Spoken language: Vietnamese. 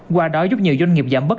qua đó giúp nhiều doanh nghiệp giảm bất